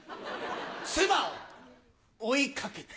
「妻を追い掛けて」。